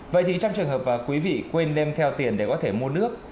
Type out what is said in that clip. vậy thì trong trường hợp quý vị quên đem theo tiền để có thể mua nước